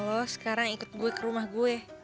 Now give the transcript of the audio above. lo sekarang ikut gue ke rumah gue